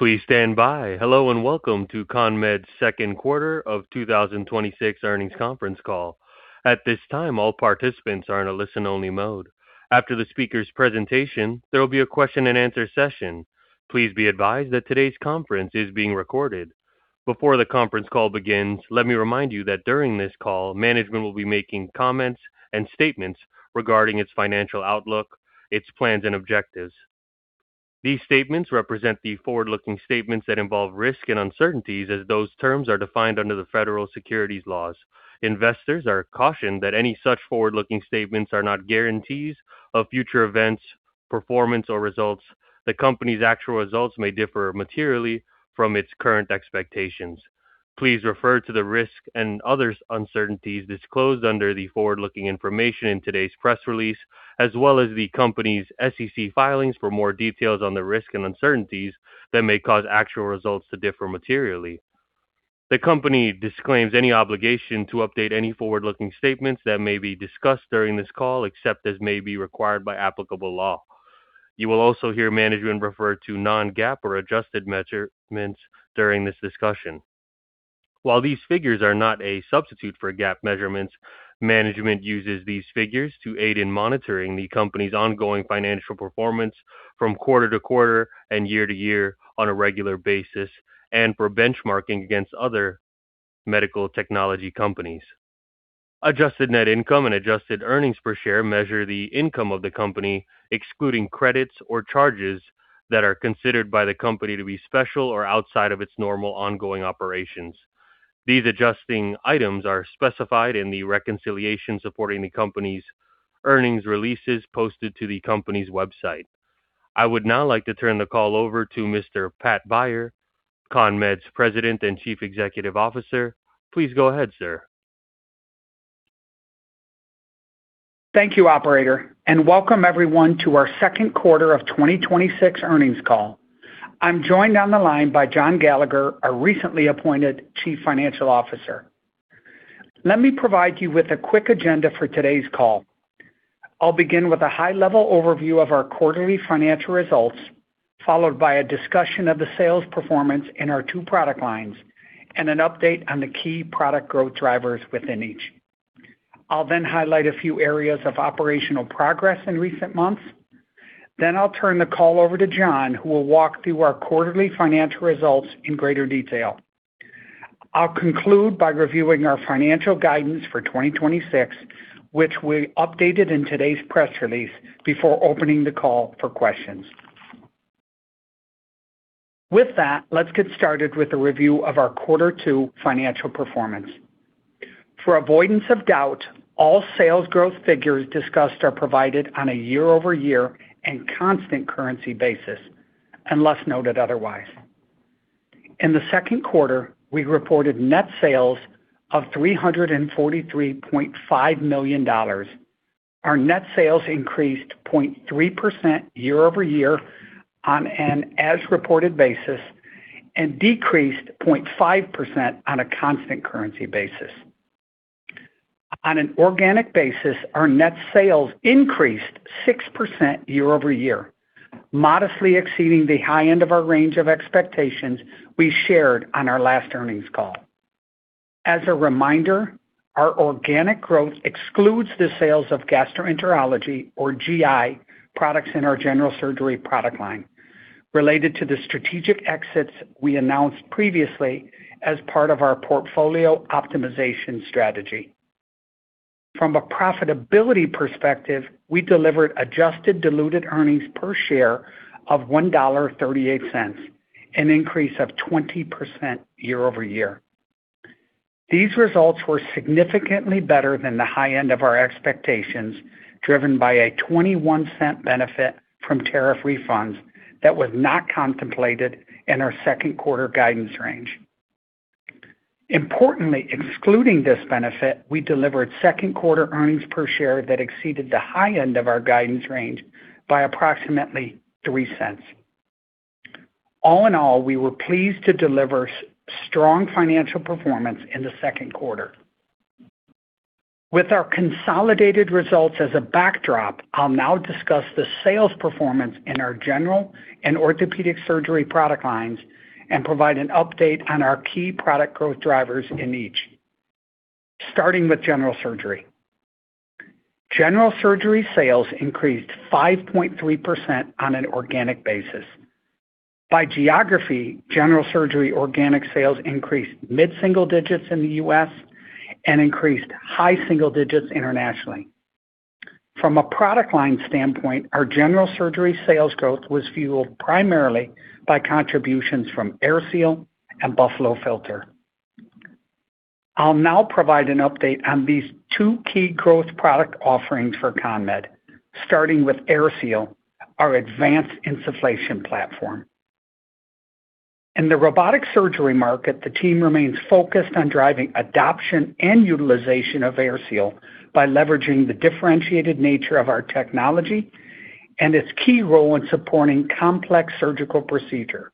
Hello and welcome to CONMED's second quarter of 2026 earnings conference call. At this time, all participants are in a listen-only mode. After the speaker's presentation, there will be a question-and-answer session. Please be advised that today's conference is being recorded. Before the conference call begins, let me remind you that during this call, management will be making comments and statements regarding its financial outlook, its plans, and objectives. These statements represent the forward-looking statements that involve risks and uncertainties as those terms are defined under the Federal securities laws. Investors are cautioned that any such forward-looking statements are not guarantees of future events, performance, or results. The company's actual results may differ materially from its current expectations. Please refer to the risk and other uncertainties disclosed under the forward-looking information in today's press release, as well as the company's SEC filings for more details on the risks and uncertainties that may cause actual results to differ materially. The company disclaims any obligation to update any forward-looking statements that may be discussed during this call, except as may be required by applicable law. You will also hear management refer to non-GAAP or adjusted measurements during this discussion. While these figures are not a substitute for GAAP measurements, management uses these figures to aid in monitoring the company's ongoing financial performance from quarter-to-quarter and year-to-year on a regular basis, and for benchmarking against other medical technology companies. Adjusted net income and adjusted earnings per share measure the income of the company, excluding credits or charges that are considered by the company to be special or outside of its normal ongoing operations. These adjusting items are specified in the reconciliation supporting the company's earnings releases posted to the company's website. I would now like to turn the call over to Mr. Pat Beyer, CONMED's President and Chief Executive Officer. Please go ahead, sir. Thank you, operator, and welcome everyone to our second quarter of 2026 earnings call. I'm joined on the line by John Gallagher, our recently appointed Chief Financial Officer. Let me provide you with a quick agenda for today's call. I'll begin with a high-level overview of our quarterly financial results, followed by a discussion of the sales performance in our two product lines, and an update on the key product growth drivers within each. I'll then highlight a few areas of operational progress in recent months. I'll turn the call over to John, who will walk through our quarterly financial results in greater detail. I'll conclude by reviewing our financial guidance for 2026, which we updated in today's press release, before opening the call for questions. With that, let's get started with a review of our quarter two financial performance. For avoidance of doubt, all sales growth figures discussed are provided on a year-over-year and constant currency basis, unless noted otherwise. In the second quarter, we reported net sales of $343.5 million. Our net sales increased 0.3% year-over-year on an as-reported basis and decreased 0.5% on a constant currency basis. On an organic basis, our net sales increased 6% year-over-year, modestly exceeding the high end of our range of expectations we shared on our last earnings call. As a reminder, our organic growth excludes the sales of gastroenterology, or GI, products in our general surgery product line related to the strategic exits we announced previously as part of our portfolio optimization strategy. From a profitability perspective, we delivered adjusted diluted earnings per share of $1.38, an increase of 20% year-over-year. These results were significantly better than the high end of our expectations, driven by a $0.21 benefit from tariff refunds that was not contemplated in our second quarter guidance range. Importantly, excluding this benefit, we delivered second quarter earnings per share that exceeded the high end of our guidance range by approximately $0.03. All in all, we were pleased to deliver strong financial performance in the second quarter. With our consolidated results as a backdrop, I'll now discuss the sales performance in our general and orthopedic surgery product lines and provide an update on our key product growth drivers in each. Starting with general surgery. General surgery sales increased 5.3% on an organic basis. By geography, general surgery organic sales increased mid-single digits in the U.S. and increased high single digits internationally. From a product line standpoint, our general surgery sales growth was fueled primarily by contributions from AirSeal and Buffalo Filter. I'll now provide an update on these two key growth product offerings for CONMED, starting with AirSeal, our advanced insufflation platform. In the robotic surgery market, the team remains focused on driving adoption and utilization of AirSeal by leveraging the differentiated nature of our technology and its key role in supporting complex surgical procedure.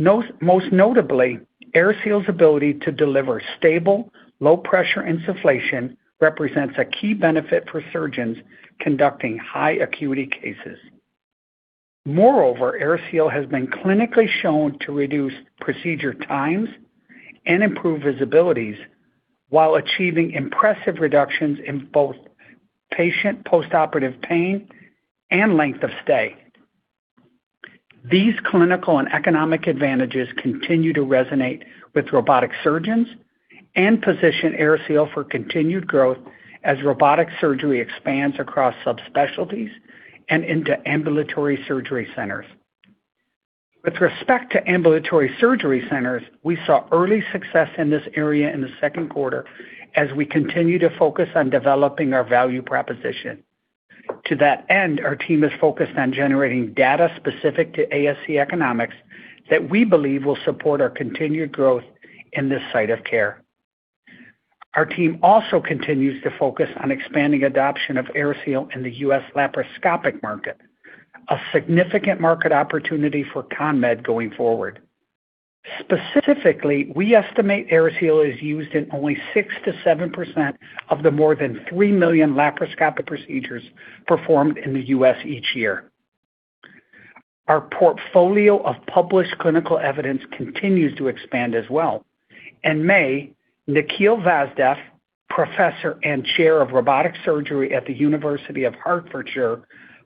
Most notably, AirSeal's ability to deliver stable, low-pressure insufflation represents a key benefit for surgeons conducting high-acuity cases. Moreover, AirSeal has been clinically shown to reduce procedure times and improve visibilities while achieving impressive reductions in both patient postoperative pain and length of stay. These clinical and economic advantages continue to resonate with robotic surgeons and position AirSeal for continued growth as robotic surgery expands across subspecialties and into ambulatory surgery centers. With respect to ambulatory surgery centers, we saw early success in this area in the second quarter as we continue to focus on developing our value proposition. To that end, our team is focused on generating data specific to ASC economics that we believe will support our continued growth in this site of care. Our team also continues to focus on expanding adoption of AirSeal in the U.S. laparoscopic market, a significant market opportunity for CONMED going forward. Specifically, we estimate AirSeal is used in only 6%-7% of the more than three million laparoscopic procedures performed in the U.S. each year. Our portfolio of published clinical evidence continues to expand as well. In May, Nikhil Vasdev, Professor and Chair of Robotic Surgery at the University of Hertfordshire,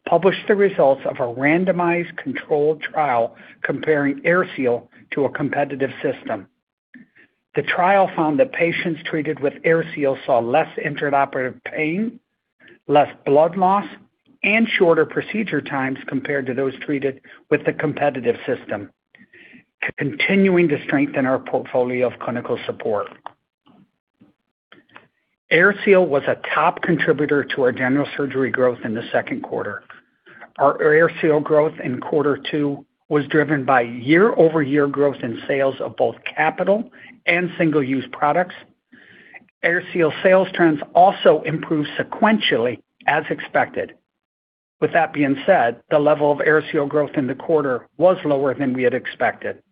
published the results of a randomized controlled trial comparing AirSeal to a competitive system. The trial found that patients treated with AirSeal saw less intraoperative pain, less blood loss, and shorter procedure times compared to those treated with the competitive system, continuing to strengthen our portfolio of clinical support. AirSeal was a top contributor to our general surgery growth in the second quarter. Our AirSeal growth in quarter two was driven by year-over-year growth in sales of both capital and single-use products. AirSeal sales trends also improved sequentially as expected. With that being said, the level of AirSeal growth in the quarter was lower than we had expected.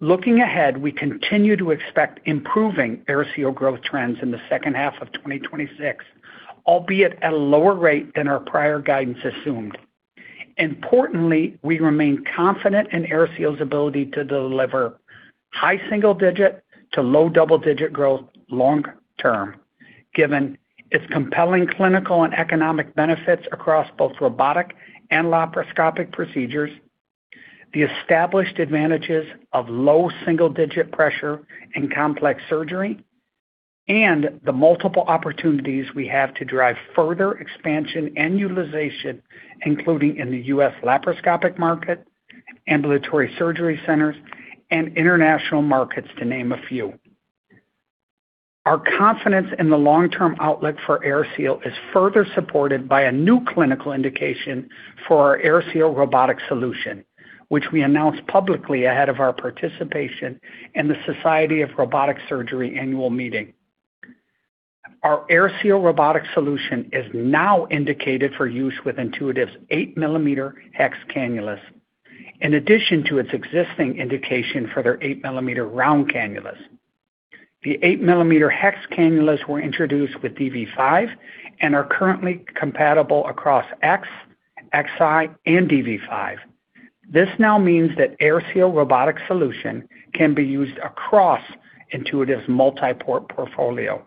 Looking ahead, we continue to expect improving AirSeal growth trends in the second half of 2026, albeit at a lower rate than our prior guidance assumed. Importantly, we remain confident in AirSeal's ability to deliver high single-digit to low double-digit growth long-term, given its compelling clinical and economic benefits across both robotic and laparoscopic procedures, the established advantages of low single-digit pressure in complex surgery, and the multiple opportunities we have to drive further expansion and utilization, including in the U.S. laparoscopic market, ambulatory surgery centers, and international markets, to name a few. Our confidence in the long-term outlook for AirSeal is further supported by a new clinical indication for our AirSeal Robotic Solution, which we announced publicly ahead of our participation in the Society of Robotic Surgery annual meeting. Our AirSeal Robotic Solution is now indicated for use with Intuitive's 8mm hex cannulas in addition to its existing indication for their 8mm round cannulas. The 8mm hex cannulas were introduced with da Vinci 5 and are currently compatible across X, XI, and da Vinci 5. This now means that AirSeal Robotic Solution can be used across Intuitive's multi-port portfolio.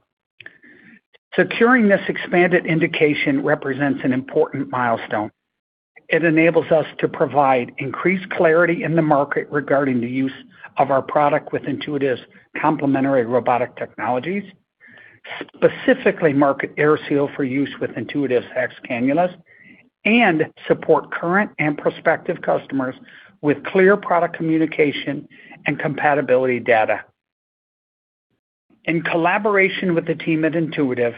Securing this expanded indication represents an important milestone. It enables us to provide increased clarity in the market regarding the use of our product with Intuitive's complementary robotic technologies, specifically market AirSeal for use with Intuitive's hex cannulas, and support current and prospective customers with clear product communication and compatibility data. In collaboration with the team at Intuitive,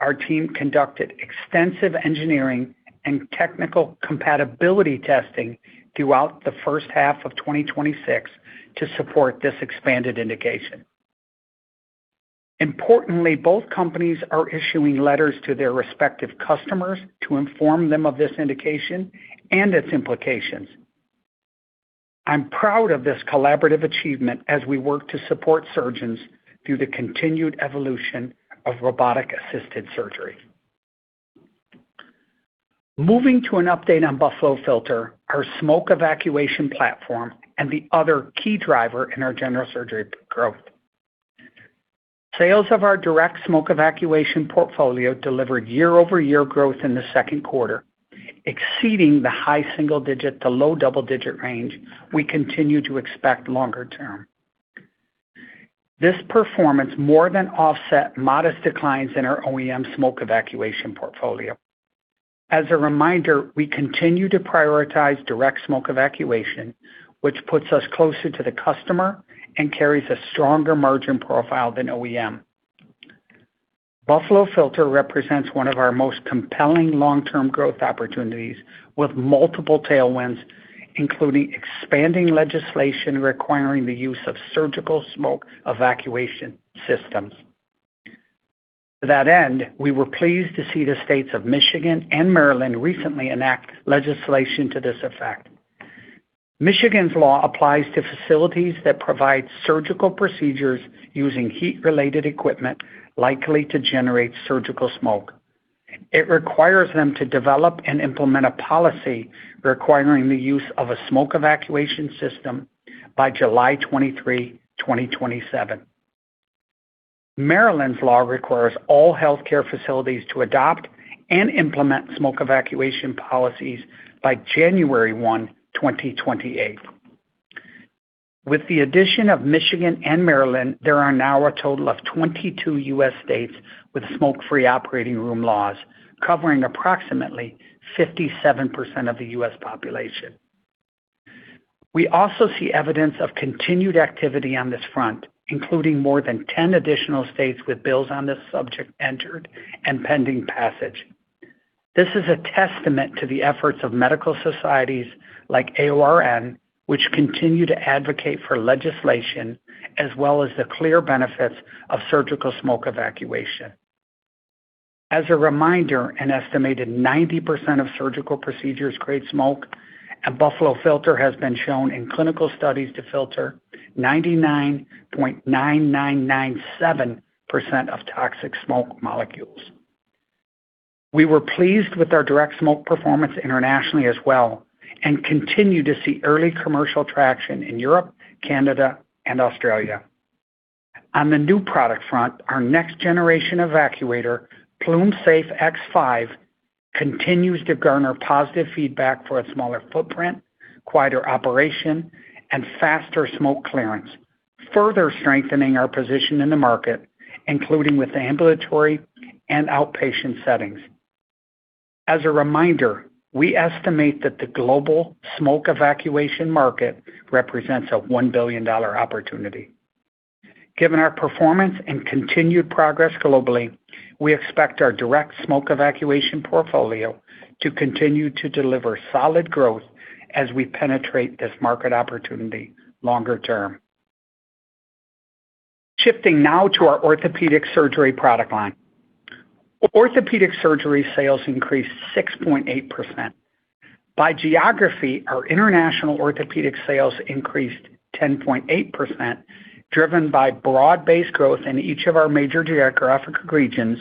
our team conducted extensive engineering and technical compatibility testing throughout the first half of 2026 to support this expanded indication. Importantly, both companies are issuing letters to their respective customers to inform them of this indication and its implications. I'm proud of this collaborative achievement as we work to support surgeons through the continued evolution of robotic-assisted surgery. Moving to an update on Buffalo Filter, our smoke evacuation platform and the other key driver in our general surgery growth. Sales of our direct smoke evacuation portfolio delivered year-over-year growth in the second quarter, exceeding the high single-digit to low double-digit range we continue to expect longer term. This performance more than offset modest declines in our OEM smoke evacuation portfolio. As a reminder, we continue to prioritize direct smoke evacuation, which puts us closer to the customer and carries a stronger margin profile than OEM. Buffalo Filter represents one of our most compelling long-term growth opportunities with multiple tailwinds, including expanding legislation requiring the use of surgical smoke evacuation systems. To that end, we were pleased to see the states of Michigan and Maryland recently enact legislation to this effect. Michigan's law applies to facilities that provide surgical procedures using heat-related equipment likely to generate surgical smoke. It requires them to develop and implement a policy requiring the use of a smoke evacuation system by July 23, 2027. Maryland's law requires all healthcare facilities to adopt and implement smoke evacuation policies by January 1, 2028. With the addition of Michigan and Maryland, there are now a total of 22 U.S. states with smoke-free operating room laws, covering approximately 57% of the U.S. population. We also see evidence of continued activity on this front, including more than 10 additional states with bills on this subject entered and pending passage. This is a testament to the efforts of medical societies like AORN, which continue to advocate for legislation, as well as the clear benefits of surgical smoke evacuation. As a reminder, an estimated 90% of surgical procedures create smoke, and Buffalo Filter has been shown in clinical studies to filter 99.9997% of toxic smoke molecules. We were pleased with our direct smoke performance internationally as well, and continue to see early commercial traction in Europe, Canada, and Australia. On the new product front, our next generation evacuator, PlumeSafe X5, continues to garner positive feedback for its smaller footprint, quieter operation, and faster smoke clearance, further strengthening our position in the market, including with the ambulatory and outpatient settings. As a reminder, we estimate that the global smoke evacuation market represents a $1 billion opportunity. Given our performance and continued progress globally, we expect our direct smoke evacuation portfolio to continue to deliver solid growth as we penetrate this market opportunity longer term. Shifting now to our orthopedic surgery product line. Orthopedic surgery sales increased 6.8%. By geography, our international orthopedic sales increased 10.8%, driven by broad-based growth in each of our major geographic regions,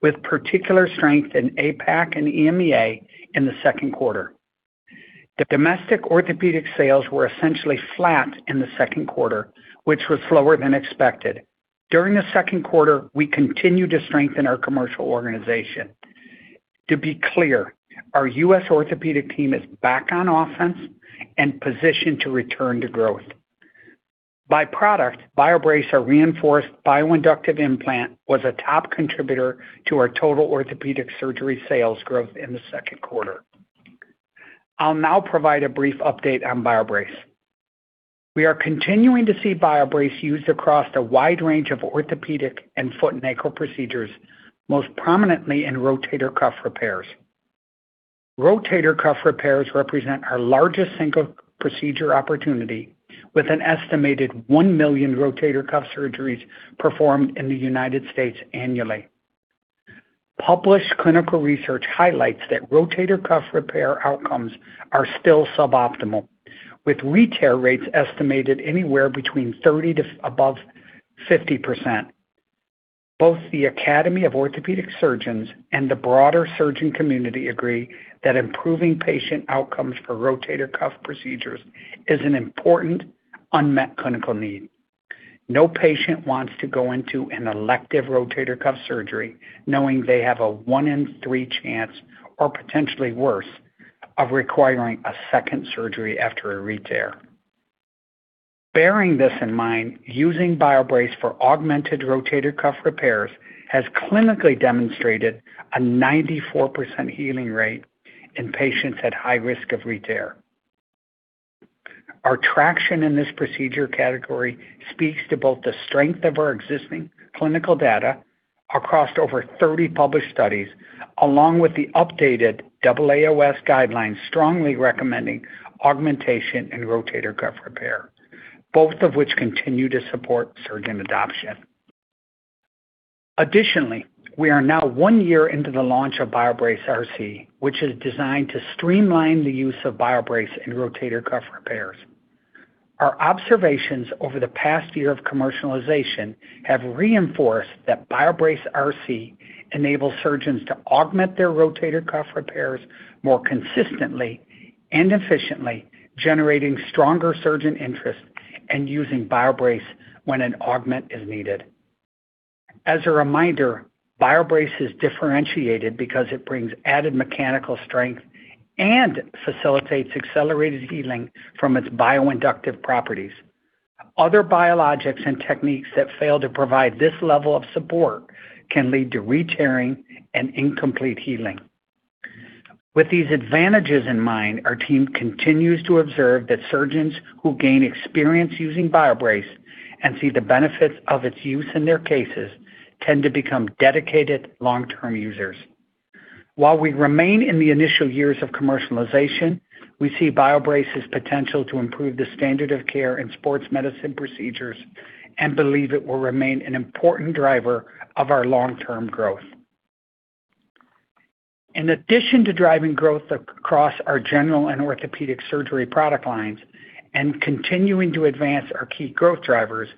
with particular strength in APAC and EMEA in the second quarter. The domestic orthopedic sales were essentially flat in the second quarter, which was slower than expected. During the second quarter, we continued to strengthen our commercial organization. To be clear, our U.S. orthopedic team is back on offense and positioned to return to growth. By product, BioBrace, our reinforced bioinductive implant, was a top contributor to our total orthopedic surgery sales growth in the second quarter. I'll now provide a brief update on BioBrace. We are continuing to see BioBrace used across a wide range of orthopedic and foot and ankle procedures, most prominently in rotator cuff repairs. Rotator cuff repairs represent our largest single procedure opportunity, with an estimated 1 million rotator cuff surgeries performed in the United States annually. Published clinical research highlights that rotator cuff repair outcomes are still suboptimal, with re-tear rates estimated anywhere between 30% to above 50%. Both the Academy of Orthopaedic Surgeons and the broader surgeon community agree that improving patient outcomes for rotator cuff procedures is an important unmet clinical need. No patient wants to go into an elective rotator cuff surgery knowing they have a one in three chance, or potentially worse, of requiring a second surgery after a re-tear. Bearing this in mind, using BioBrace for augmented rotator cuff repairs has clinically demonstrated a 94% healing rate in patients at high risk of re-tear. Our traction in this procedure category speaks to both the strength of our existing clinical data across 30 published studies, along with the updated AAOS guidelines strongly recommending augmentation in rotator cuff repair, both of which continue to support surgeon adoption. Additionally, we are now one year into the launch of BioBrace RC, which is designed to streamline the use of BioBrace in rotator cuff repairs. Our observations over the past year of commercialization have reinforced that BioBrace RC enables surgeons to augment their rotator cuff repairs more consistently and efficiently, generating stronger surgeon interest in using BioBrace when an augment is needed. As a reminder, BioBrace is differentiated because it brings added mechanical strength and facilitates accelerated healing from its bioinductive properties. Other biologics and techniques that fail to provide this level of support can lead to re-tearing and incomplete healing. With these advantages in mind, our team continues to observe that surgeons who gain experience using BioBrace and see the benefits of its use in their cases tend to become dedicated long-term users. While we remain in the initial years of commercialization, we see BioBrace's potential to improve the standard of care in sports medicine procedures and believe it will remain an important driver of our long-term growth. In addition to driving growth across our general and orthopedic surgery product lines and continuing to advance our key growth drivers,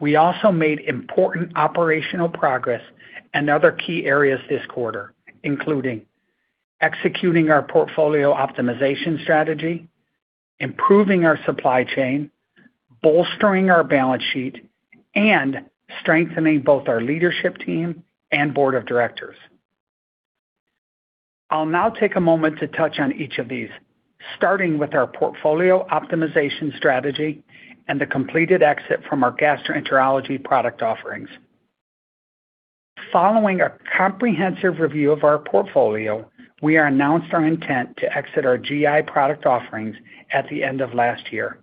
we also made important operational progress in other key areas this quarter, including executing our portfolio optimization strategy, improving our supply chain, bolstering our balance sheet, and strengthening both our leadership team and board of directors. I'll now take a moment to touch on each of these, starting with our portfolio optimization strategy and the completed exit from our gastroenterology product offerings. Following a comprehensive review of our portfolio, we announced our intent to exit our GI product offerings at the end of last year.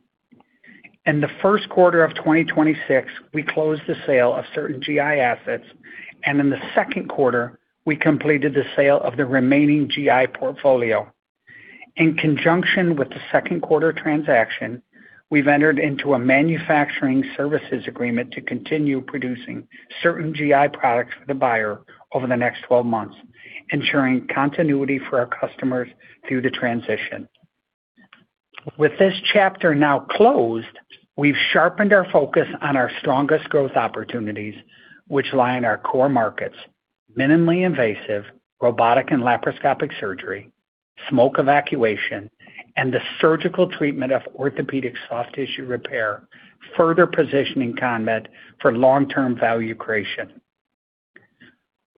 In the first quarter of 2026, we closed the sale of certain GI assets, and in the second quarter, we completed the sale of the remaining GI portfolio. In conjunction with the second quarter transaction, we've entered into a manufacturing services agreement to continue producing certain GI products for the buyer over the next 12 months, ensuring continuity for our customers through the transition. With this chapter now closed, we've sharpened our focus on our strongest growth opportunities, which lie in our core markets: minimally invasive, robotic and laparoscopic surgery, smoke evacuation, and the surgical treatment of orthopedic soft tissue repair, further positioning CONMED for long-term value creation.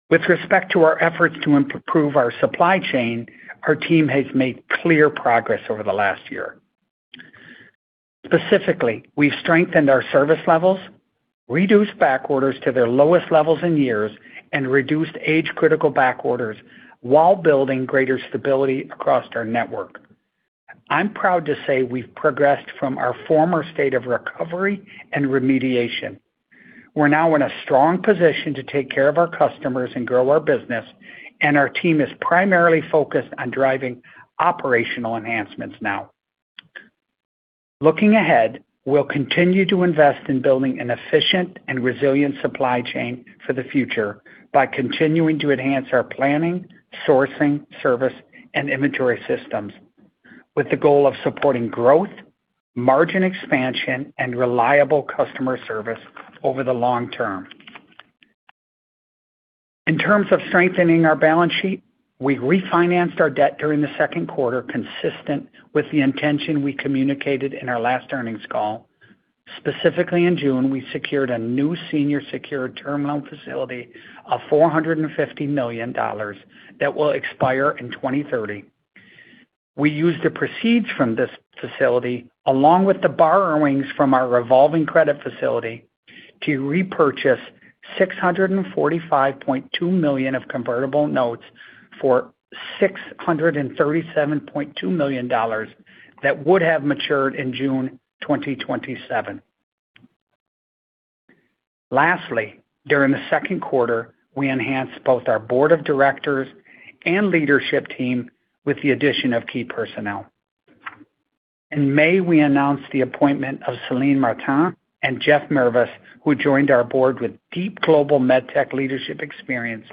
With respect to our efforts to improve our supply chain, our team has made clear progress over the last year. Specifically, we've strengthened our service levels, reduced back orders to their lowest levels in years, and reduced age-critical back orders while building greater stability across our network. I'm proud to say we've progressed from our former state of recovery and remediation. We're now in a strong position to take care of our customers and grow our business, and our team is primarily focused on driving operational enhancements now. Looking ahead, we'll continue to invest in building an efficient and resilient supply chain for the future by continuing to enhance our planning, sourcing, service, and inventory systems with the goal of supporting growth, margin expansion, and reliable customer service over the long-term. In terms of strengthening our balance sheet, we refinanced our debt during the second quarter, consistent with the intention we communicated in our last earnings call. Specifically, in June, we secured a new senior secured term loan facility of $450 million that will expire in 2030. We used the proceeds from this facility, along with the borrowings from our revolving credit facility, to repurchase $645.2 million of convertible notes for $637.2 million that would have matured in June 2027. Lastly, during the second quarter, we enhanced both our board of directors and leadership team with the addition of key personnel. In May, we announced the appointment of Celine Martin and Jeff Mirviss, who joined our board with deep global MedTech leadership experience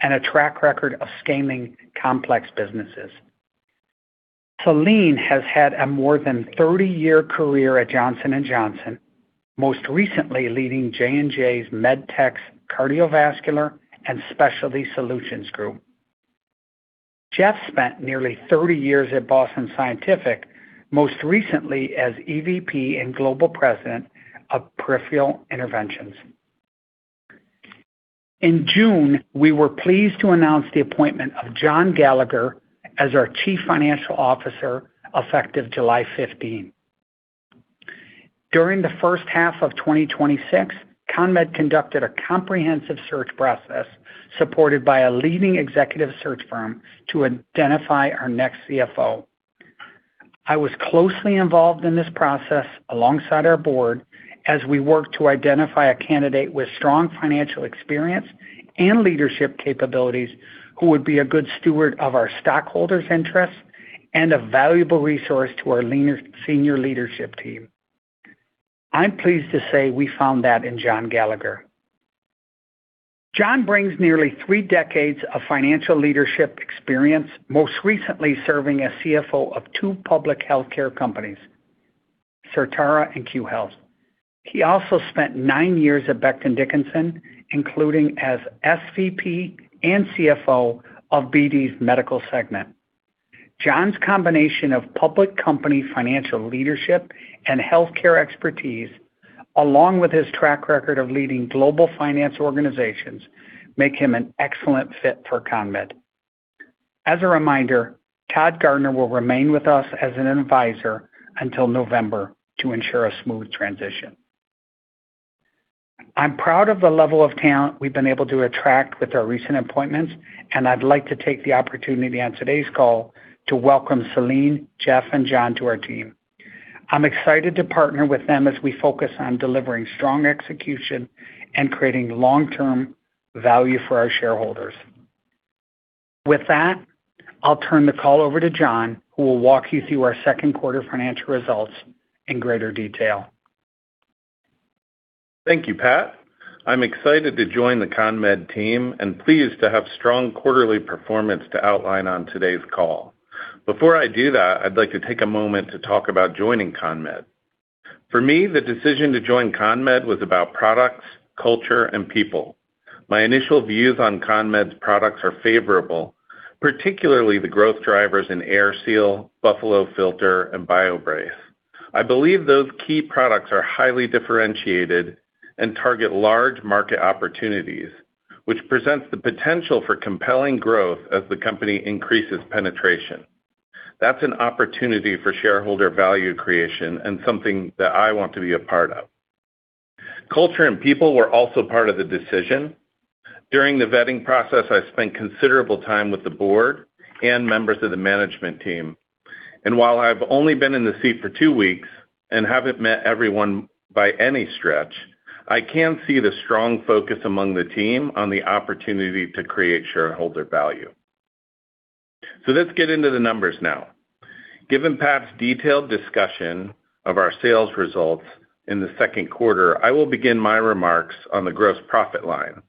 and a track record of scaling complex businesses. Celine has had a more than 30-year career at Johnson & Johnson, most recently leading J&J's MedTech's Cardiovascular & Specialty Solutions group. Jeff spent nearly 30 years at Boston Scientific, most recently as EVP and Global President of Peripheral Interventions. In June, we were pleased to announce the appointment of John Gallagher as our Chief Financial Officer, effective July 15. During the first half of 2026, CONMED conducted a comprehensive search process supported by a leading executive search firm to identify our next CFO. I was closely involved in this process alongside our board as we worked to identify a candidate with strong financial experience and leadership capabilities who would be a good steward of our stockholders' interests and a valuable resource to our senior leadership team. I'm pleased to say we found that in John Gallagher. John brings nearly three decades of financial leadership experience, most recently serving as CFO of two public healthcare companies, Certara and Cue Health. He also spent nine years at Becton Dickinson, including as SVP and CFO of BD's Medical segment. John's combination of public company financial leadership and healthcare expertise, along with his track record of leading global finance organizations, make him an excellent fit for CONMED. As a reminder, Todd Garner will remain with us as an advisor until November to ensure a smooth transition. I'm proud of the level of talent we've been able to attract with our recent appointments. I'd like to take the opportunity on today's call to welcome Celine, Jeff, and John to our team. I'm excited to partner with them as we focus on delivering strong execution and creating long-term value for our shareholders. With that, I'll turn the call over to John, who will walk you through our second quarter financial results in greater detail. Thank you, Pat. I'm excited to join the CONMED team and pleased to have strong quarterly performance to outline on today's call. Before I do that, I'd like to take a moment to talk about joining CONMED. For me, the decision to join CONMED was about products, culture, and people. My initial views on CONMED's products are favorable, particularly the growth drivers in AirSeal, Buffalo Filter, and BioBrace. I believe those key products are highly differentiated and target large market opportunities, which presents the potential for compelling growth as the company increases penetration. That's an opportunity for shareholder value creation and something that I want to be a part of. Culture and people were also part of the decision. During the vetting process, I spent considerable time with the board and members of the management team. While I've only been in the seat for two weeks and haven't met everyone by any stretch, I can see the strong focus among the team on the opportunity to create shareholder value. Let's get into the numbers now. Given Pat's detailed discussion of our sales results in the second quarter, I will begin my remarks on the gross profit line.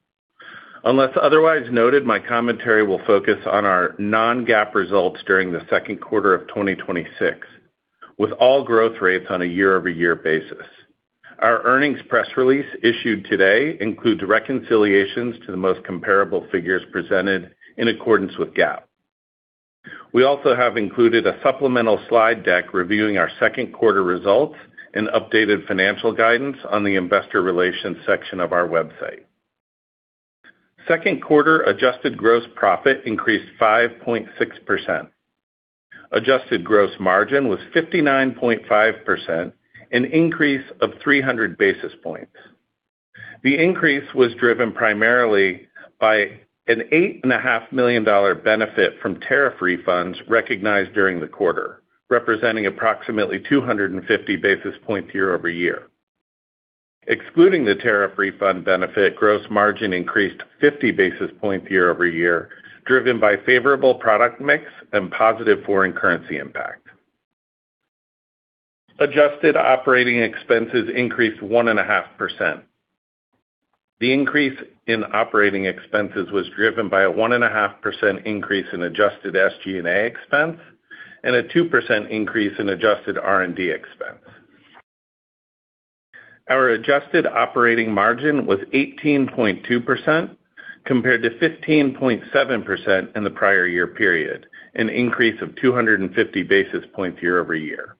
Unless otherwise noted, my commentary will focus on our non-GAAP results during the second quarter of 2026, with all growth rates on a year-over-year basis. Our earnings press release issued today includes reconciliations to the most comparable figures presented in accordance with GAAP. We also have included a supplemental slide deck reviewing our second quarter results and updated financial guidance on the investor relations section of our website. Second quarter adjusted gross profit increased 5.6%. Adjusted gross margin was 59.5%, an increase of 300 basis points. The increase was driven primarily by an $8.5 million benefit from tariff refunds recognized during the quarter, representing approximately 250 basis points year-over-year. Excluding the tariff refund benefit, gross margin increased 50 basis points year-over-year, driven by favorable product mix and positive foreign currency impact. Adjusted operating expenses increased 1.5%. The increase in operating expenses was driven by a 1.5% increase in adjusted SG&A expense and a 2% increase in adjusted R&D expense. Our adjusted operating margin was 18.2%, compared to 15.7% in the prior year period, an increase of 250 basis points year-over-year.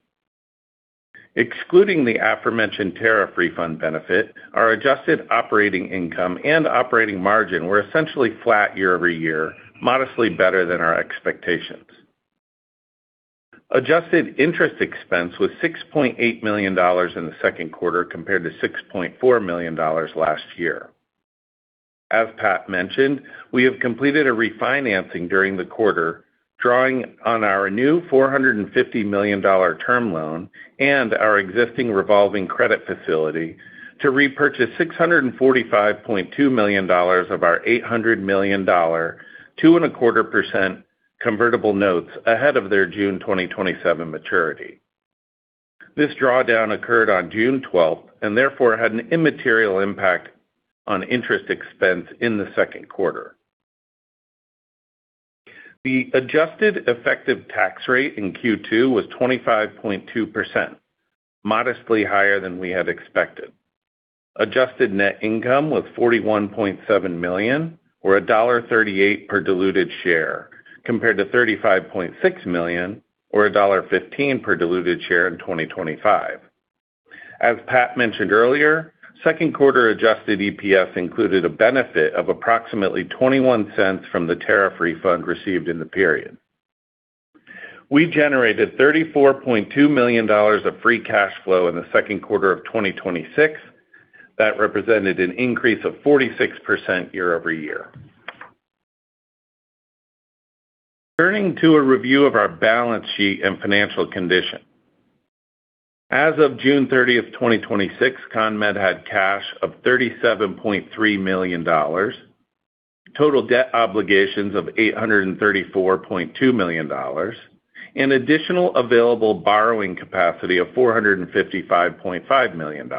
Excluding the aforementioned tariff refund benefit, our adjusted operating income and operating margin were essentially flat year-over-year, modestly better than our expectations. Adjusted interest expense was $6.8 million in the second quarter, compared to $6.4 million last year. As Pat mentioned, we have completed a refinancing during the quarter, drawing on our new $450 million term loan and our existing revolving credit facility to repurchase $645.2 million of our $800 million 2.25% convertible notes ahead of their June 2027 maturity. This drawdown occurred on June 12th and therefore had an immaterial impact on interest expense in the second quarter. The adjusted effective tax rate in Q2 was 25.2%, modestly higher than we had expected. Adjusted net income was $41.7 million or $1.38 per diluted share, compared to $35.6 million or $1.15 per diluted share in 2025. As Pat mentioned earlier, second quarter adjusted EPS included a benefit of approximately $0.21 from the tariff refund received in the period. We generated $34.2 million of free cash flow in the second quarter of 2026. That represented an increase of 46% year-over-year. Turning to a review of our balance sheet and financial condition. As of June 30th, 2026, CONMED had cash of $37.3 million, total debt obligations of $834.2 million, and additional available borrowing capacity of $455.5 million.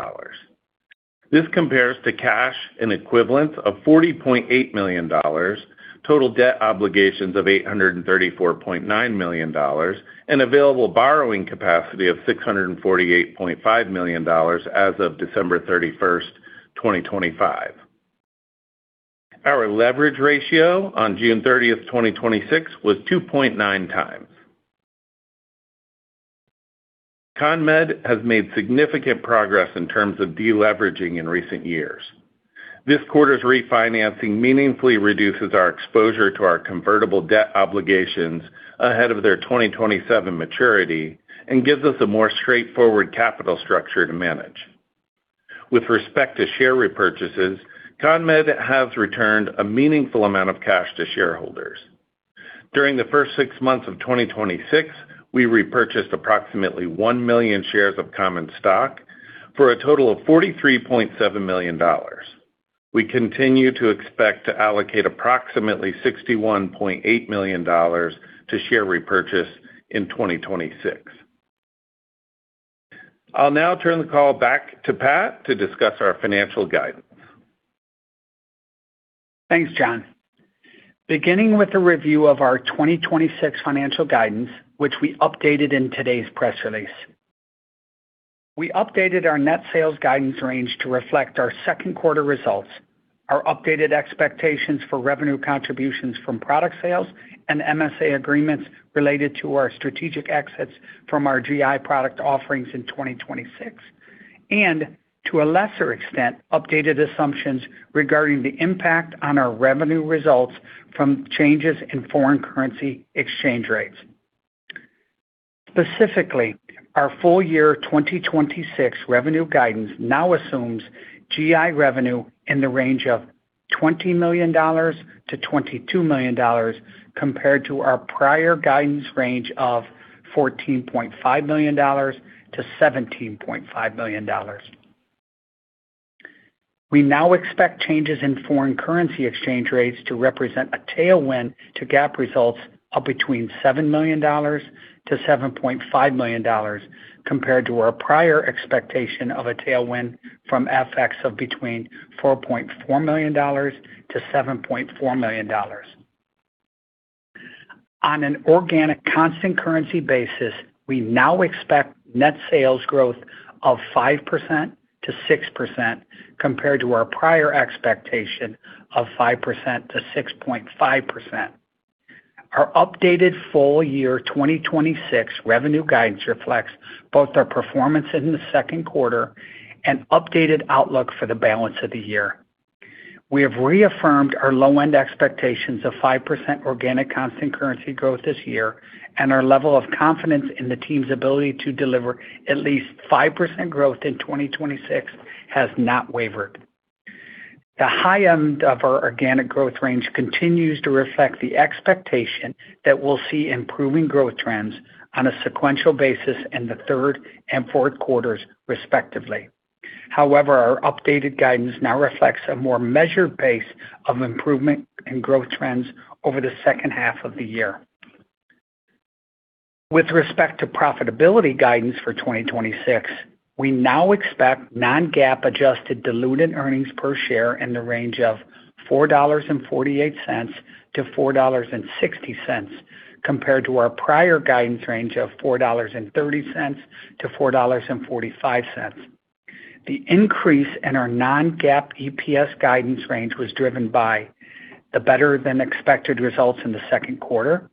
This compares to cash in equivalent of $40.8 million, total debt obligations of $834.9 million, and available borrowing capacity of $648.5 million as of December 31st, 2025. Our leverage ratio on June 30th, 2026, was 2.9 times. CONMED has made significant progress in terms of deleveraging in recent years. This quarter's refinancing meaningfully reduces our exposure to our convertible debt obligations ahead of their 2027 maturity and gives us a more straightforward capital structure to manage. With respect to share repurchases, CONMED has returned a meaningful amount of cash to shareholders. During the first six months of 2026, we repurchased approximately one million shares of common stock for a total of $43.7 million. We continue to expect to allocate approximately $61.8 million to share repurchase in 2026. I'll now turn the call back to Pat to discuss our financial guidance. Thanks, John. Beginning with a review of our 2026 financial guidance, which we updated in today's press release. We updated our net sales guidance range to reflect our second quarter results, our updated expectations for revenue contributions from product sales and MSA agreements related to our strategic exits from our GI product offerings in 2026, and, to a lesser extent, updated assumptions regarding the impact on our revenue results from changes in foreign currency exchange rates. Specifically, our full year 2026 revenue guidance now assumes GI revenue in the range of $20 million-$22 million, compared to our prior guidance range of $14.5 million-$17.5 million. We now expect changes in foreign currency exchange rates to represent a tailwind to GAAP results of between $7 million-$7.5 million, compared to our prior expectation of a tailwind from FX of between $4.4 million-$7.4 million. On an organic constant currency basis, we now expect net sales growth of 5%-6%, compared to our prior expectation of 5%-6.5%. Our updated full year 2026 revenue guidance reflects both our performance in the second quarter and updated outlook for the balance of the year. We have reaffirmed our low-end expectations of 5% organic constant currency growth this year, and our level of confidence in the team's ability to deliver at least 5% growth in 2026 has not wavered. The high end of our organic growth range continues to reflect the expectation that we'll see improving growth trends on a sequential basis in the third and fourth quarters respectively. However, our updated guidance now reflects a more measured pace of improvement in growth trends over the second half of the year. With respect to profitability guidance for 2026, we now expect non-GAAP adjusted diluted earnings per share in the range of $4.48-4.60 compared to our prior guidance range of $4.30-4.45. The increase in our non-GAAP EPS guidance range was driven by the better-than-expected results in the second quarter,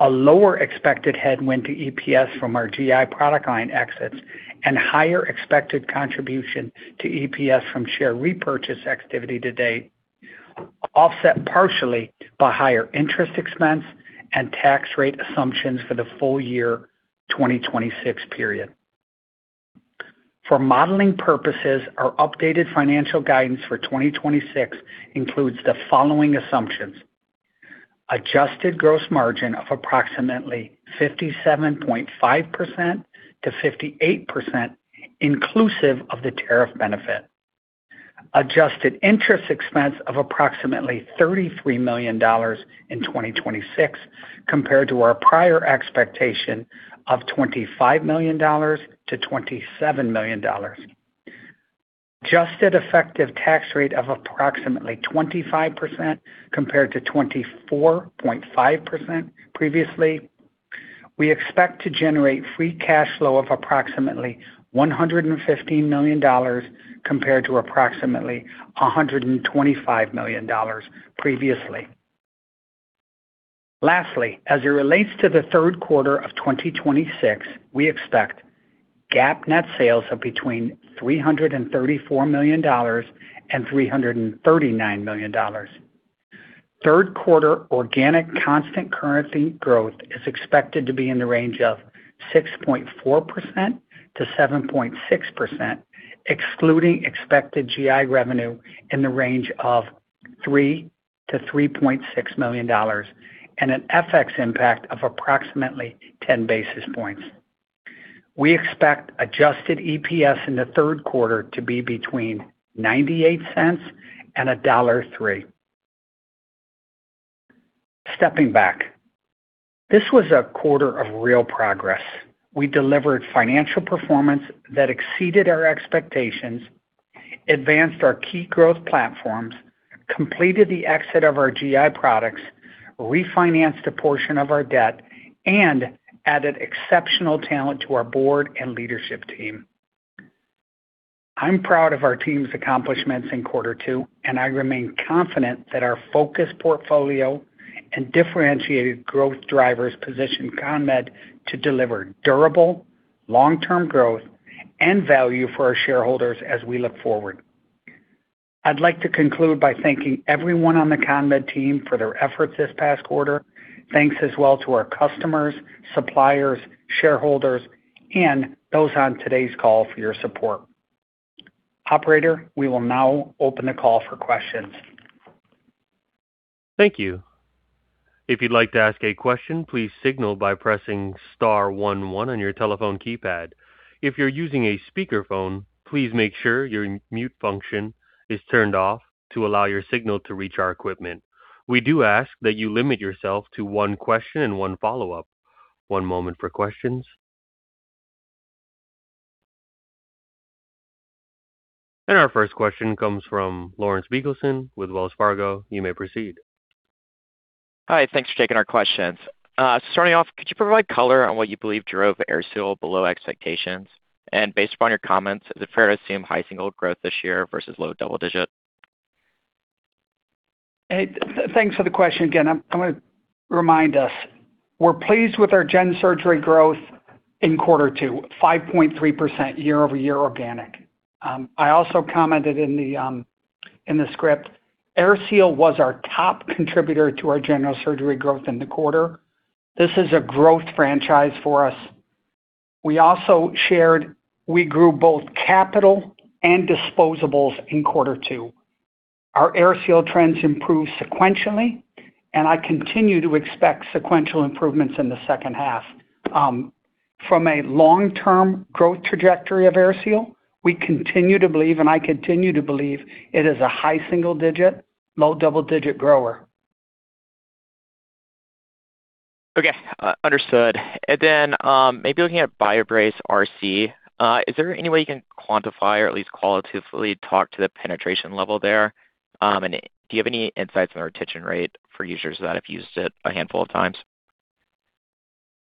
a lower expected headwind to EPS from our GI product line exits, and higher expected contribution to EPS from share repurchase activity to date, offset partially by higher interest expense and tax rate assumptions for the full year 2026 period. For modeling purposes, our updated financial guidance for 2026 includes the following assumptions. Adjusted gross margin of approximately 57.5%-58% inclusive of the tariff benefit. Adjusted interest expense of approximately $33 million in 2026 compared to our prior expectation of $25 million-$27 million. Adjusted effective tax rate of approximately 25%, compared to 24.5% previously. We expect to generate free cash flow of approximately $115 million compared to approximately $125 million previously. Lastly, as it relates to the third quarter of 2026, we expect GAAP net sales of between $334 million and $339 million. Third quarter organic constant currency growth is expected to be in the range of 6.4%-7.6%, excluding expected GI revenue in the range of $3 million-$3.6 million, and an FX impact of approximately 10 basis points. We expect adjusted EPS in the third quarter to be between $0.98 and $1.03. Stepping back, this was a quarter of real progress. We delivered financial performance that exceeded our expectations, advanced our key growth platforms, completed the exit of our GI products, refinanced a portion of our debt, and added exceptional talent to our board and leadership team. I'm proud of our team's accomplishments in quarter two, and I remain confident that our focused portfolio and differentiated growth drivers position CONMED to deliver durable long-term growth and value for our shareholders as we look forward. I'd like to conclude by thanking everyone on the CONMED team for their efforts this past quarter. Thanks as well to our customers, suppliers, shareholders, and those on today's call for your support. Operator, we will now open the call for questions. Thank you. If you'd like to ask a question, please signal by pressing star one one on your telephone keypad. If you're using a speakerphone, please make sure your mute function is turned off to allow your signal to reach our equipment. We do ask that you limit yourself to one question and one follow-up. One moment for questions. Our first question comes from Lawrence Biegelsen with Wells Fargo. You may proceed. Hi. Thanks for taking our questions. Starting off, could you provide color on what you believe drove AirSeal below expectations? Based upon your comments, is it fair to assume high single growth this year versus low double digit? Thanks for the question. I'm going to remind us, we're pleased with our gen surgery growth in quarter two, 5.3% year-over-year organic. I also commented in the script, AirSeal was our top contributor to our general surgery growth in the quarter. This is a growth franchise for us. We also shared we grew both capital and disposables in quarter two. Our AirSeal trends improved sequentially. I continue to expect sequential improvements in the second half. From a long-term growth trajectory of AirSeal, we continue to believe, I continue to believe, it is a high single-digit, low double-digit grower. Okay. Understood. Maybe looking at BioBrace RC, is there any way you can quantify or at least qualitatively talk to the penetration level there? Do you have any insights on the retention rate for users that have used it a handful of times?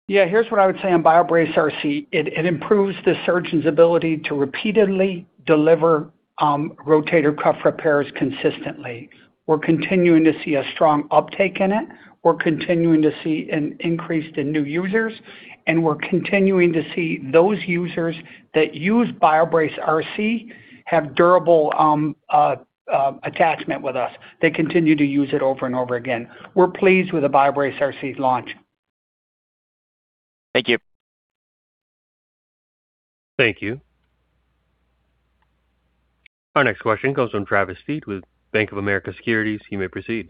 Yeah, here's what I would say on BioBrace RC. It improves the surgeon's ability to repeatedly deliver rotator cuff repairs consistently. We're continuing to see a strong uptake in it. We're continuing to see an increase in new users. We're continuing to see those users that use BioBrace RC have durable attachment with us. They continue to use it over and over again. We're pleased with the BioBrace RC's launch. Thank you. Thank you. Our next question comes from Travis Steed with Bank of America Securities. You may proceed.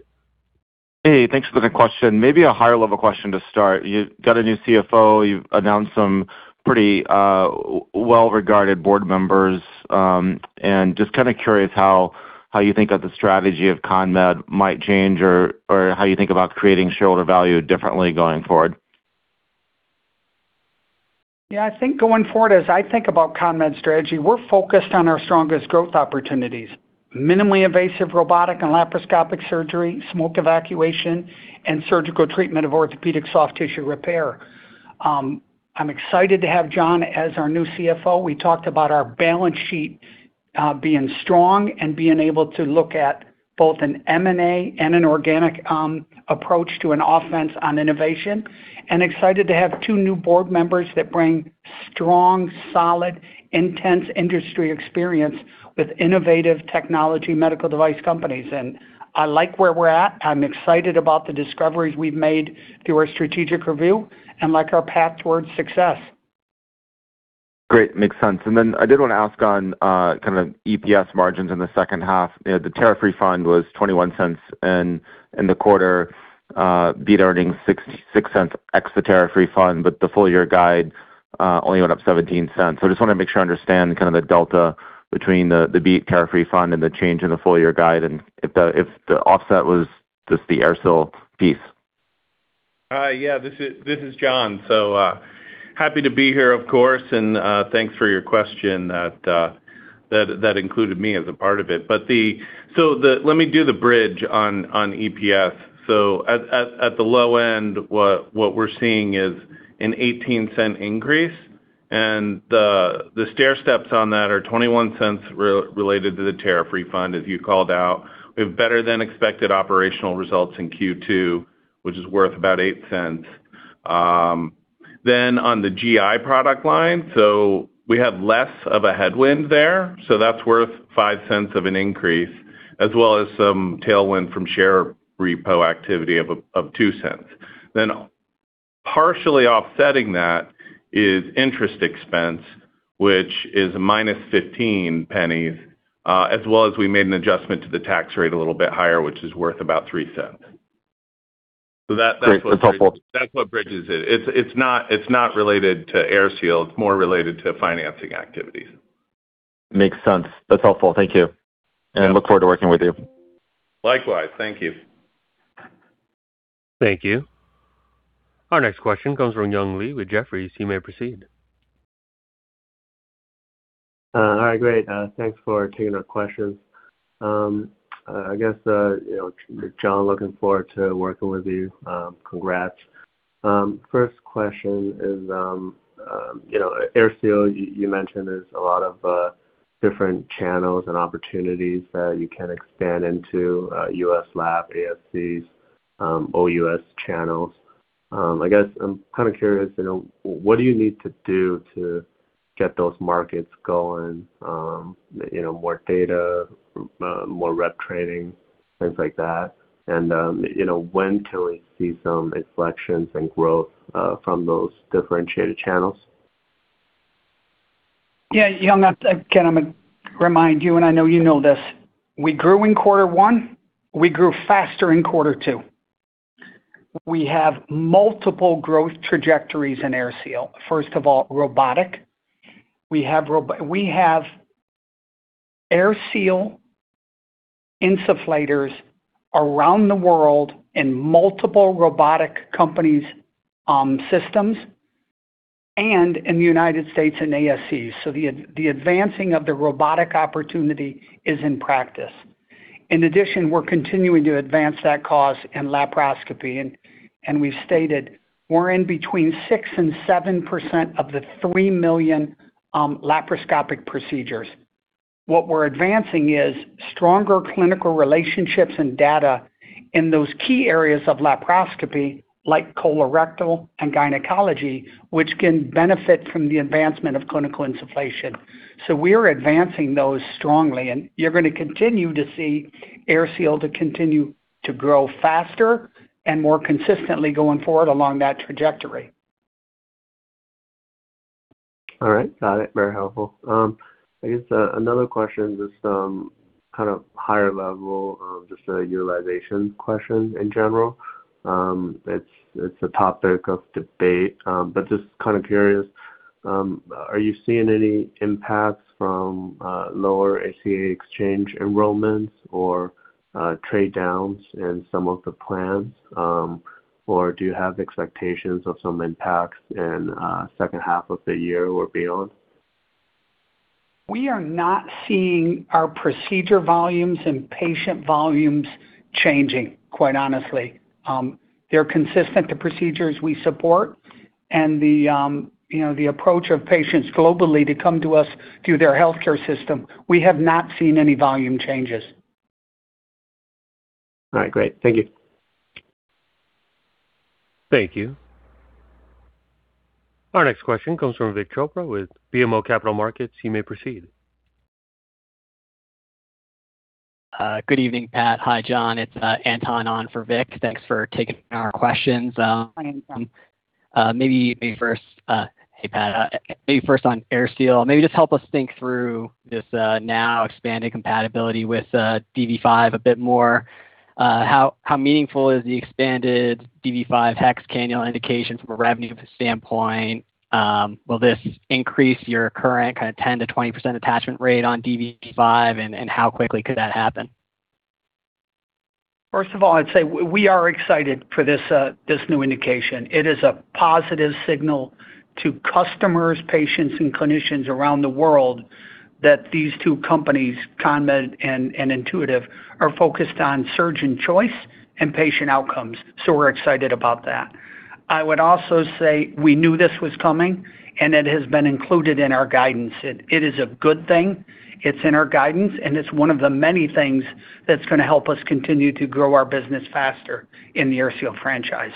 Hey, thanks for the question. Maybe a higher-level question to start. You got a new CFO, you've announced some pretty well-regarded board members. Just kind of curious how you think that the strategy of CONMED might change or how you think about creating shareholder value differently going forward. I think going forward, as I think about CONMED's strategy, we're focused on our strongest growth opportunities. Minimally invasive robotic and laparoscopic surgery, smoke evacuation, and surgical treatment of orthopedic soft tissue repair. I'm excited to have John as our new CFO. We talked about our balance sheet being strong and being able to look at both an M&A and an organic approach to an offense on innovation. Excited to have two new board members that bring strong, solid, intense industry experience with innovative technology medical device companies. I like where we're at. I'm excited about the discoveries we've made through our strategic review and like our path towards success. Great. Makes sense. I did want to ask on kind of EPS margins in the second half. The tariff refund was $0.21 and the quarter beat earnings $0.06 ex the tariff refund, but the full-year guide only went up $0.17. I just want to make sure I understand kind of the delta between the beat tariff refund and the change in the full-year guide, and if the offset was just the AirSeal piece. This is John. Happy to be here, of course, and thanks for your question that included me as a part of it. Let me do the bridge on EPS. At the low end, what we're seeing is an $0.18 increase, and the stairsteps on that are $0.21 related to the tariff refund, as you called out. We have better-than-expected operational results in Q2, which is worth about $0.08. On the GI product line, we have less of a headwind there, so that's worth $0.05 of an increase, as well as some tailwind from share repo activity of $0.02. Partially offsetting that is interest expense, which is a -$0.15, as well as we made an adjustment to the tax rate a little bit higher, which is worth about $0.03. Great. That's helpful. That's what bridges it. It's not related to AirSeal. It's more related to financing activities. Makes sense. That's helpful. Thank you. I look forward to working with you. Likewise. Thank you. Thank you. Our next question comes from Young Li with Jefferies. You may proceed. All right, great. Thanks for taking our questions. I guess, John, looking forward to working with you. Congrats. First question is, AirSeal, you mentioned there's a lot of different channels and opportunities that you can expand into, U.S. lab, ASCs, OUS channels. I guess I'm kind of curious, what do you need to do to get those markets going? More data, more rep training, things like that? When can we see some inflections and growth from those differentiated channels? Yeah, Young, again, I'm going to remind you, and I know you know this, we grew in Q1, we grew faster in Q2. We have multiple growth trajectories in AirSeal. First of all, robotic. We have AirSeal insufflators around the world in multiple robotic companies' systems and in the United States in ASCs. The advancing of the robotic opportunity is in practice. In addition, we're continuing to advance that cause in laparoscopy, and we've stated we're in between 6% and 7% of the 3 million laparoscopic procedures. What we're advancing is stronger clinical relationships and data in those key areas of laparoscopy like colorectal and gynecology, which can benefit from the advancement of clinical insufflation. We're advancing those strongly, and you're going to continue to see AirSeal to continue to grow faster and more consistently going forward along that trajectory. All right. Got it. Very helpful. I guess another question, just some kind of higher level, just a utilization question in general. It's a topic of debate, but just kind of curious. Are you seeing any impacts from lower ACA exchange enrollments or trade-downs in some of the plans? Do you have expectations of some impacts in second half of the year or beyond? We are not seeing our procedure volumes and patient volumes changing, quite honestly. They're consistent to procedures we support and the approach of patients globally to come to us through their healthcare system. We have not seen any volume changes. All right. Great. Thank you. Thank you. Our next question comes from Vik Chopra with BMO Capital Markets. You may proceed. Good evening, Pat. Hi, John. It's Anton on for Vik. Thanks for taking our questions. Maybe first, hey, Pat. Maybe first on AirSeal. Maybe just help us think through this now expanded compatibility with dV5 a bit more. How meaningful is the expanded dV5 hex cannula indication from a revenue standpoint? Will this increase your current kind of 10%-20% attachment rate on dV5, and how quickly could that happen? First of all, I'd say we are excited for this new indication. It is a positive signal to customers, patients, and clinicians around the world that these two companies, CONMED and Intuitive, are focused on surgeon choice and patient outcomes. We're excited about that. I would also say we knew this was coming, and it has been included in our guidance. It is a good thing. It's in our guidance, and it's one of the many things that's going to help us continue to grow our business faster in the AirSeal franchise.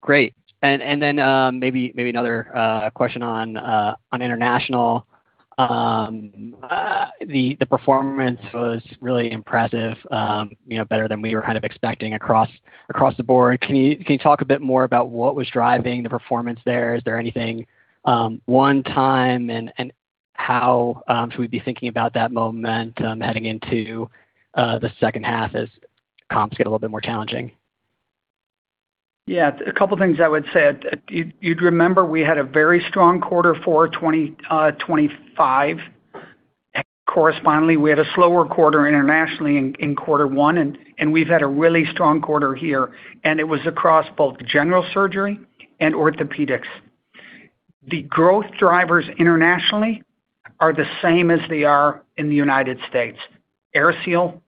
Great. Maybe another question on international. The performance was really impressive, better than we were kind of expecting across the board. Can you talk a bit more about what was driving the performance there? Is there anything one-time, and how should we be thinking about that momentum heading into the second half as comps get a little bit more challenging? Yeah. A couple of things I would say. You'd remember we had a very strong Q4 2025. Correspondingly, we had a slower quarter internationally in Q1, and we've had a really strong quarter here. It was across both general surgery and orthopedics. The growth drivers internationally are the same as they are in the U.S., AirSeal,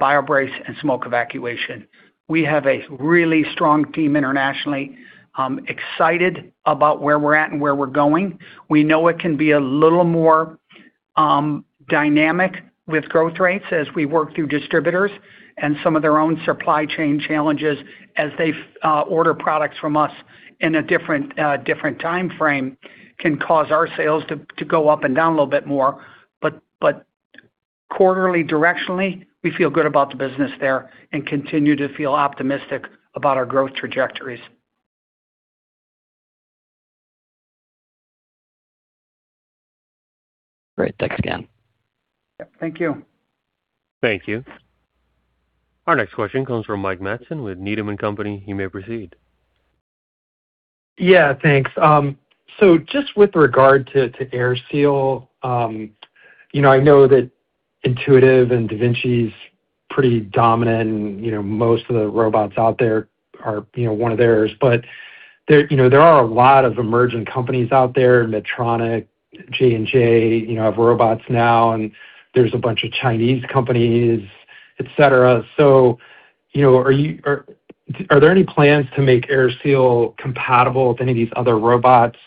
BioBrace, and smoke evacuation. We have a really strong team internationally, excited about where we're at and where we're going. We know it can be a little more dynamic with growth rates as we work through distributors and some of their own supply chain challenges as they order products from us in a different timeframe can cause our sales to go up and down a little bit more. Quarterly, directionally, we feel good about the business there and continue to feel optimistic about our growth trajectories. Great. Thanks again. Yeah. Thank you. Thank you. Our next question comes from Mike Matson with Needham & Company. You may proceed. Yeah, thanks. Just with regard to AirSeal, I know that Intuitive and da Vinci's pretty dominant and most of the robots out there are one of theirs, but there are a lot of emerging companies out there. Medtronic, J&J have robots now, and there's a bunch of Chinese companies, et cetera. Are there any plans to make AirSeal compatible with any of these other robots?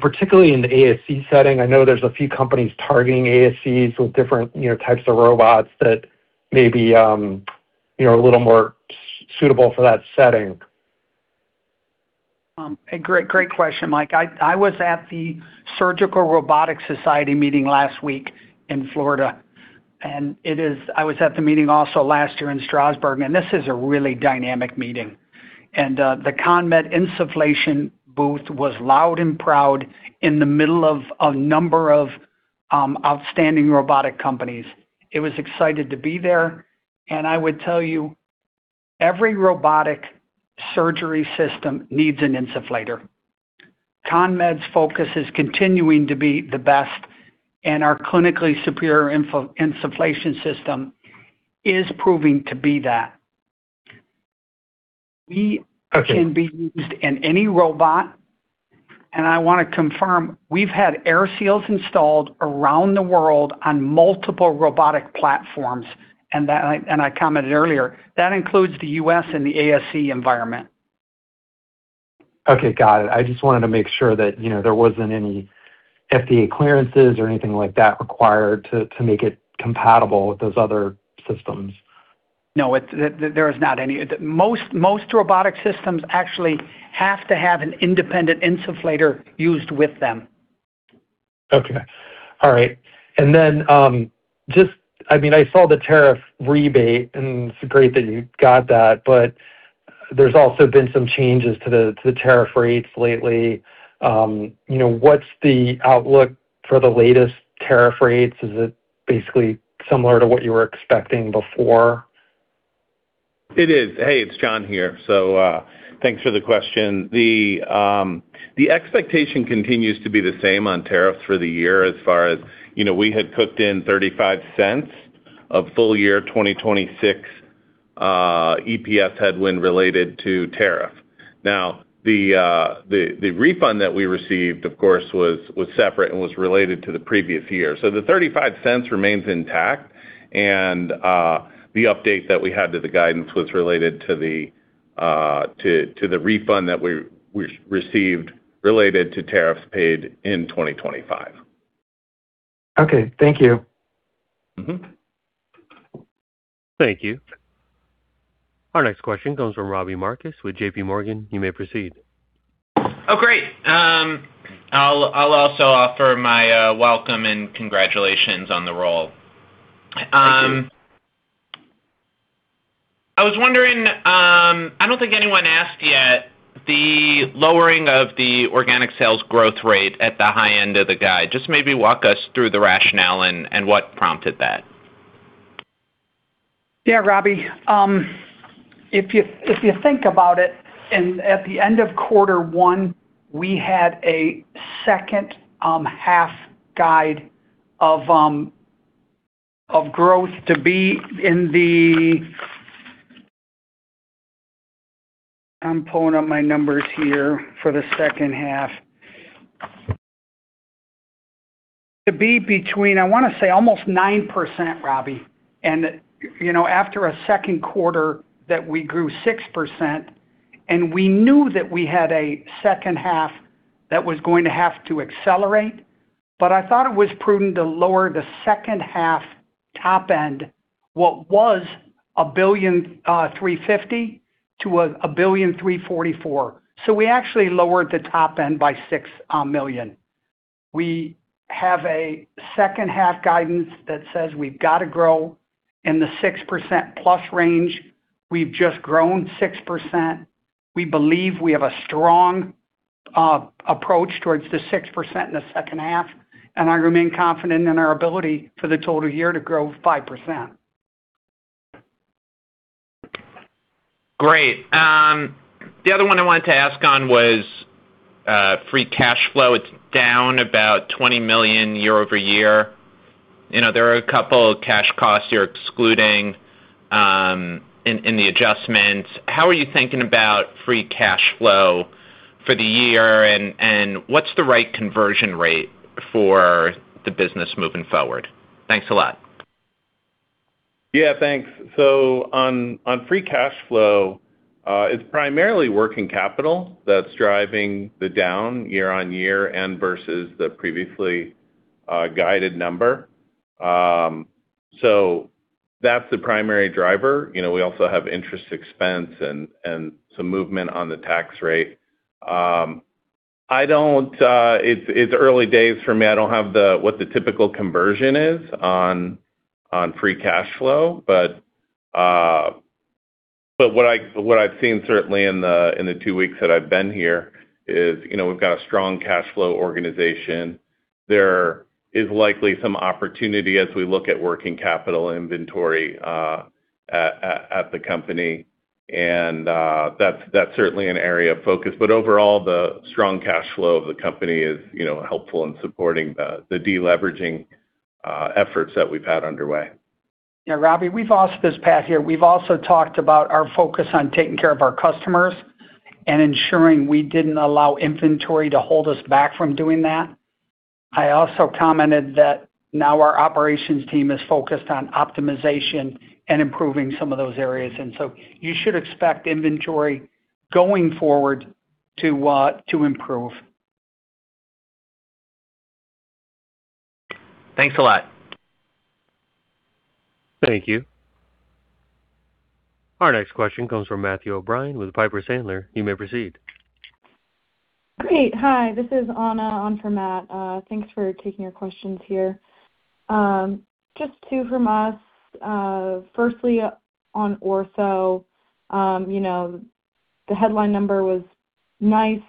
Particularly in the ASC setting, I know there's a few companies targeting ASCs with different types of robots that may be a little more suitable for that setting Great question, Mike. I was at the Surgical Robotics Society meeting last week in Florida, and I was at the meeting also last year in Strasbourg. This is a really dynamic meeting. The CONMED insufflation booth was loud and proud in the middle of a number of outstanding robotic companies. It was excited to be there, and I would tell you, every robotic surgery system needs an insufflator. CONMED's focus is continuing to be the best, and our clinically superior insufflation system is proving to be that. Okay. We can be used in any robot, and I want to confirm, we've had AirSeal installed around the world on multiple robotic platforms, and I commented earlier, that includes the U.S. and the ASC environment. Okay, got it. I just wanted to make sure that there wasn't any FDA clearances or anything like that required to make it compatible with those other systems. No, there is not any. Most robotic systems actually have to have an independent insufflator used with them. Okay. All right. I saw the tariff rebate, it's great that you got that, there's also been some changes to the tariff rates lately. What's the outlook for the latest tariff rates? Is it basically similar to what you were expecting before? It is. Hey, it's John here. Thanks for the question. The expectation continues to be the same on tariffs for the year as far as we had cooked in $0.35 of full year 2026 EPS headwind related to tariff. The refund that we received, of course, was separate and was related to the previous year. The $0.35 remains intact, the update that we had to the guidance was related to the refund that we received related to tariffs paid in 2025. Okay, thank you. Thank you. Our next question comes from Robbie Marcus with JPMorgan. You may proceed. Oh, great. I'll also offer my welcome and congratulations on the role. Thank you. I was wondering, I don't think anyone asked yet, the lowering of the organic sales growth rate at the high end of the guide. Just maybe walk us through the rationale and what prompted that. Yeah, Robbie. If you think about it, at the end of quarter one, we had a second half guide of growth to be in the I'm pulling up my numbers here for the second half. To be between, I want to say almost 9%, Robbie. After a second quarter that we grew 6%, and we knew that we had a second half that was going to have to accelerate, but I thought it was prudent to lower the second half top end, what was $1.35 billion to $1.344 billion. We actually lowered the top end by $6 million. We have a second half guidance that says we've got to grow in the 6%+ range. We've just grown 6%. We believe we have a strong approach towards the 6% in the second half, and I remain confident in our ability for the total year to grow 5%. Great. The other one I wanted to ask on was free cash flow. It's down about $20 million year-over-year. There are a couple of cash costs you're excluding in the adjustments. How are you thinking about free cash flow for the year, and what's the right conversion rate for the business moving forward? Thanks a lot. Yeah, thanks. On free cash flow, it's primarily working capital that's driving the down year-on-year and versus the previously guided number. That's the primary driver. We also have interest expense and some movement on the tax rate. It's early days for me. I don't have what the typical conversion is on free cash flow, but what I've seen certainly in the two weeks that I've been here is we've got a strong cash flow organization. There is likely some opportunity as we look at working capital inventory at the company, and that's certainly an area of focus. Overall, the strong cash flow of the company is helpful in supporting the de-leveraging efforts that we've had underway. Yeah, Robbie, we've also, this past year, we've also talked about our focus on taking care of our customers and ensuring we didn't allow inventory to hold us back from doing that. I also commented that now our operations team is focused on optimization and improving some of those areas. You should expect inventory going forward to improve. Thanks a lot. Thank you. Our next question comes from Matthew O'Brien with Piper Sandler. You may proceed. Great. Hi, this is Anna on for Matt. Thanks for taking our questions here. Just two from us. Firstly, on ortho, the headline number was nice,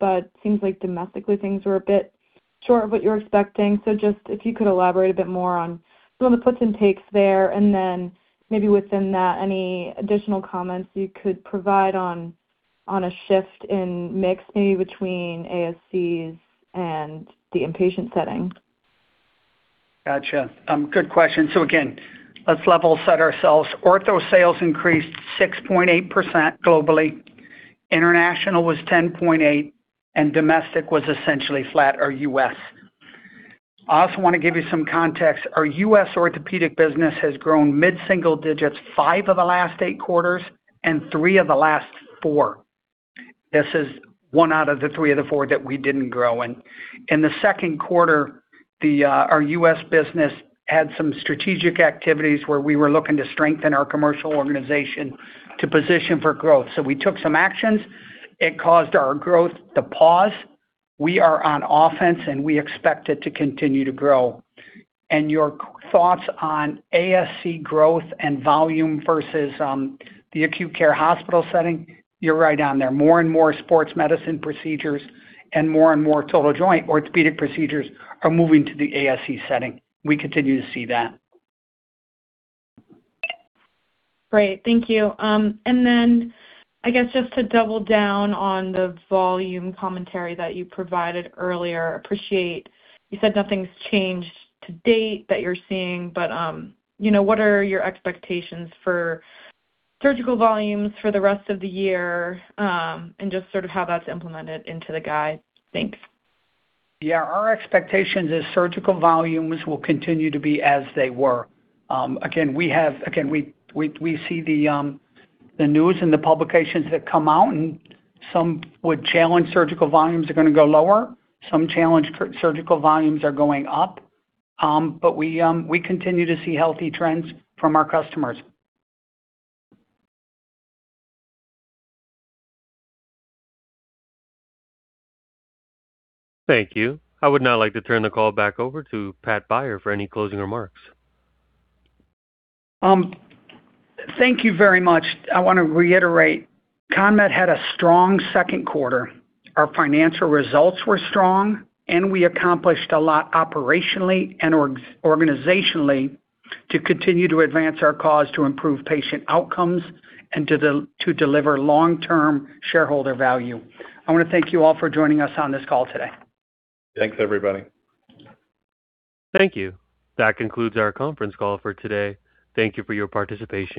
but seems like domestically things were a bit short of what you were expecting. Just if you could elaborate a bit more on some of the puts and takes there. Then maybe within that, any additional comments you could provide on a shift in mix, maybe between ASCs and the inpatient setting. Got you. Good question. Again, let's level set ourselves. Ortho sales increased 6.8% globally, international was 10.8%, and domestic was essentially flat or U.S. I also want to give you some context. Our U.S. orthopedic business has grown mid-single digits five of the last eight quarters and three of the last four. This is one out of the three of the four that we didn't grow in. In the second quarter, our U.S. business had some strategic activities where we were looking to strengthen our commercial organization to position for growth. We took some actions. It caused our growth to pause. We are on offense, and we expect it to continue to grow. Your thoughts on ASC growth and volume versus the acute care hospital setting, you're right on there. More and more sports medicine procedures and more and more total joint orthopaedic procedures are moving to the ASC setting. We continue to see that. Great. Thank you. Then I guess just to double down on the volume commentary that you provided earlier, appreciate you said nothing's changed to date that you're seeing, what are your expectations for surgical volumes for the rest of the year? Just sort of how that's implemented into the guide. Thanks. Our expectations is surgical volumes will continue to be as they were. Again, we see the news and the publications that come out, some would challenge surgical volumes are going to go lower. Some challenge surgical volumes are going up. We continue to see healthy trends from our customers. Thank you. I would now like to turn the call back over to Pat Beyer for any closing remarks. Thank you very much. I want to reiterate, CONMED had a strong second quarter. Our financial results were strong, and we accomplished a lot operationally and organizationally to continue to advance our cause to improve patient outcomes and to deliver long-term shareholder value. I want to thank you all for joining us on this call today. Thanks, everybody. Thank you. That concludes our conference call for today. Thank you for your participation.